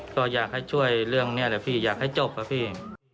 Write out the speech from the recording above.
ก็อยากให้ช่วยเรื่องนี้แหละพี่อยากให้จบครับพี่